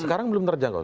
sekarang belum terjangkau